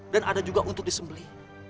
dan ada juga untuk disembeli